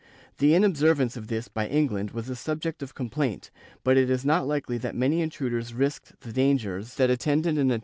^ The inobservance of this by England was the subject of com plaint, but it is not likely that many intruders risked the dangers * Archive de Simancas, Inq.